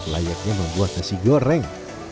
layaknya membuat nasi goreng